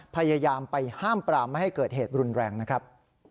พยายามไปห้ามปรามไม่ให้เกิดเหตุรุนแรงนะครับ